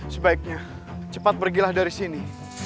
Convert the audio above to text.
sebaiknya cepat pergilah dari sini